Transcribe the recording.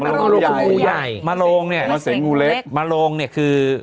ไม่มรวงคืองูใหญ่มรวงเนี่ยมรวงเนี่ยคือ